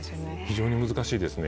非常に難しいですね。